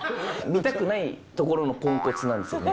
見たくないところがポンコツなんですよね。